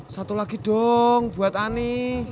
satu lagi dong buat ani